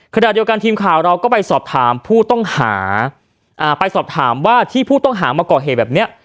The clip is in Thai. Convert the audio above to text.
ขณะเดียวกันทีมข่าวเราก็ไปสอบถามผู้ต้องหาไปสอบถามว่าที่ผู้ต้องหามาก่อเหตุแบบเนี้ย